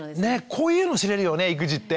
こういうの知れるよね育児って。